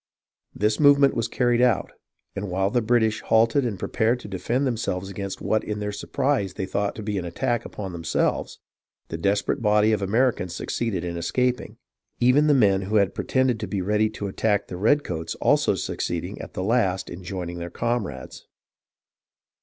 This movement was carried out, and while the British halted and prepared to defend themselves against what in their surprise they thought to be an attack upon themselves, the desperate body of Americans succeeded in escaping, even the men who had pretended to be ready to attack the redcoats also succeeding at last in joining their comrades.